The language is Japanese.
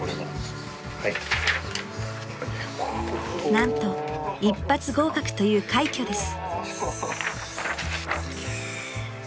［何と一発合格という快挙です］